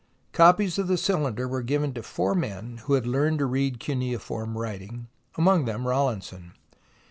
Copies of the cyhnder were given to four men who had learned to read cuneiform writing, among them Rawlinson.